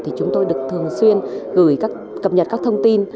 thì chúng tôi được thường xuyên gửi các cập nhật các thông tin